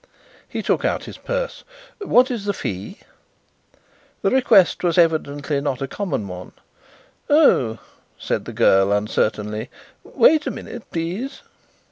He took out his purse. "What is the fee?" The request was evidently not a common one. "Oh," said the girl uncertainly, "wait a minute, please."